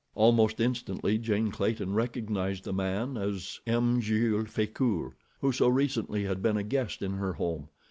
Almost instantly Jane Clayton recognized the man as M. Jules Frecoult, who so recently had been a guest in her home.